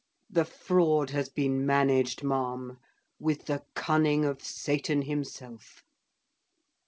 The fraud has been managed, ma'am, with the cunning of Satan himself.